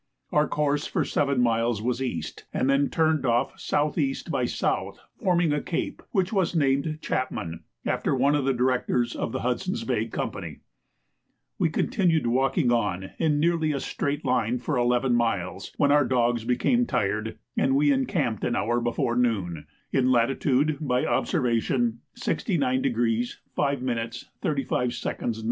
Our course for seven miles was east, and then turned off S.E. by S. forming a cape, which was named Chapman, after one of the Directors of the Hudson's Bay Company. We continued walking on, in nearly a straight line, for 11 miles, when our dogs became tired, and we encamped an hour before noon, in latitude by observation 69° 5' 35" N.